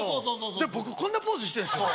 僕こんなポーズしてんですよ